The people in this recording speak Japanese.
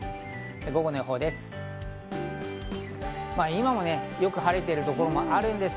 午後の予報です。